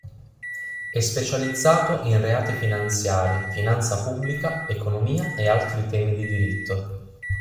È specializzato in reati finanziari, finanza pubblica, economia e altri temi di diritto.